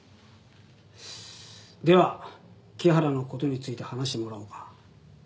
では木原の事について話してもらおうか。